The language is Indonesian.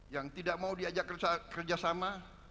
yang tidak mau diajak kerjasama